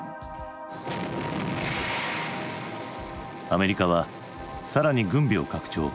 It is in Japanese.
アメリカは更に軍備を拡張。